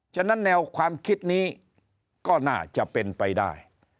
ฉะนั้นแนวความคิดนี้ก็น่าจะเป็นไปได้